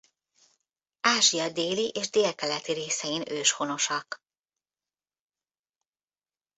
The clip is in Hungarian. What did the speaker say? Ázsia déli és délkeleti részein őshonosak.